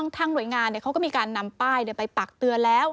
ทางหน่วยงานเขาก็มีการนำป้ายไปปักเตือนแล้ว